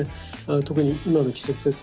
特に今の季節ですね。